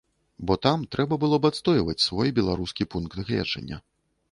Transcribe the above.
Бо там трэба было б адстойваць свой беларускі пункт гледжання.